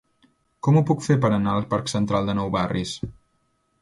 Com ho puc fer per anar al parc Central de Nou Barris?